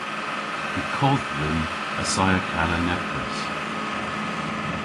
Y kodh dhymm assaya kana nepprys.